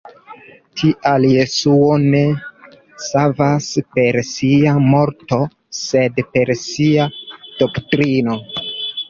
Tial Jesuo ne savas per sia morto, sed per sia doktrino.